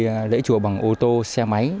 khi đi lễ chùa bằng ô tô xe máy